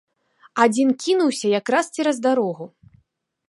Адзін кінуўся якраз цераз дарогу.